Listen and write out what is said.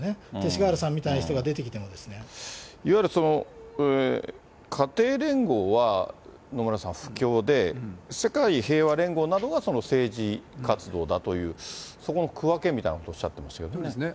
勅使河原さんみたいな人が出てきいわゆる家庭連合は野村さん、布教で、世界平和連合などはその政治活動だという、そこの区分けみたいなことおっしゃってましたけどね。